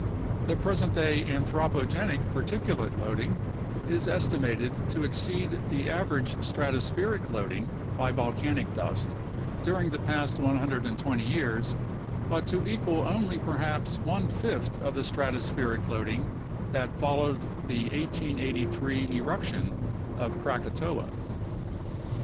The present day anthropogenic particulate loading is estimated to exceed the average stratospheric loading by volcanic dust during the past 120 years but to equal only perhaps one fifth of the stratospheric loading that followed the 1883 eruption of Krakatoa.